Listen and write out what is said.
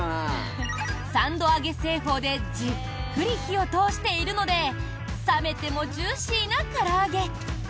三度揚げ製法でじっくり火を通しているので冷めてもジューシーなから揚げ！